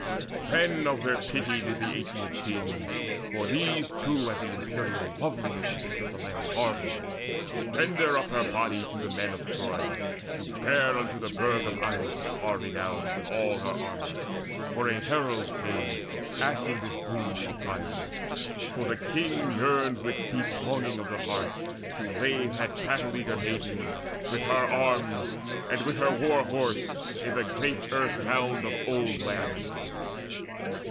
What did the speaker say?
Then of their pity did the Atreid kings For these too at the imperial loveliness Of Penthesileia marvelled render up Her body to the men of Troy, to bear Unto the burg of Ilus far renowned With all her armour. For a herald came Asking this boon for Priam; for the king Longed with deep yearning of the heart to lay That battle eager maiden, with her arms, And with her war horse, in the great earth mound Of old Laomedon.